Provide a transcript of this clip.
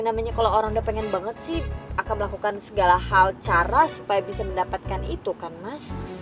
namanya kalau orang udah pengen banget sih akan melakukan segala hal cara supaya bisa mendapatkan itu kan mas